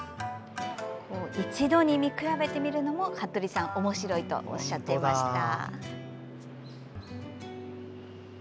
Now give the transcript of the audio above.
一度に見比べてみるのも服部さん、おもしろいとおっしゃっていました。